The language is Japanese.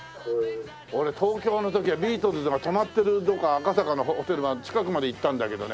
俺東京の時はビートルズが泊まってるどこか赤坂のホテルは近くまで行ったんだけどね。